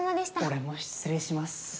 俺も失礼します。